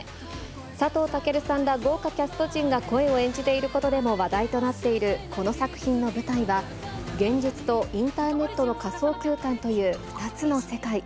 佐藤健さんら豪華キャスト陣が声を演じていることでも話題となっているこの作品の舞台は、現実とインターネットの仮想空間という２つの世界。